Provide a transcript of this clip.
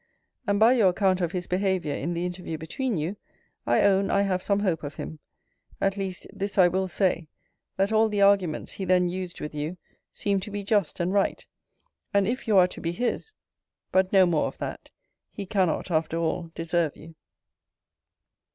And, by your account of his behaviour in the interview between you, I own I have some hope of him. At least, this I will say, that all the arguments he then used with you, seemed to be just and right. And if you are to be his But no more of that: he cannot, after all, deserve you.